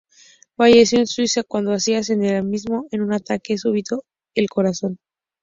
Falleció en Suiza, cuando hacía senderismo, de un ataque súbito al corazón.